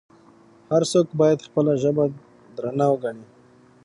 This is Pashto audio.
هر څوک باید خپله ژبه درنه وګڼي.